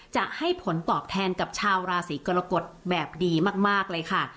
จะให้ผลตอบแทนกับชาวราศีกรกฎแบบดีมากเลยค่ะ